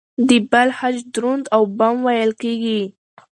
د بل خج دروند او بم وېل کېږي.